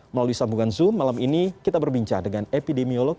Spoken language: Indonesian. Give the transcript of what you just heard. melalui sambungan zoom malam ini kita berbincang dengan epidemiolog